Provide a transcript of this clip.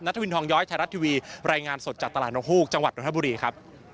วินทองย้อยไทยรัฐทีวีรายงานสดจากตลาดนกฮูกจังหวัดนทบุรีครับ